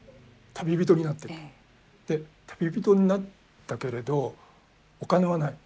で旅人になったけれどお金はない。